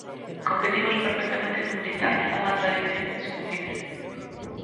Competimos perfectamente no militar cunha tradición indiscutible.